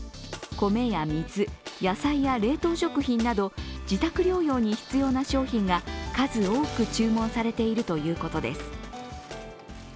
米や水、野菜や冷凍食品など、自宅療養に必要な商品が数多く注文されているということです。